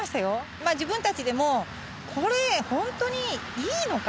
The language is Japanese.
まあ自分たちでもこれ本当にいいのか？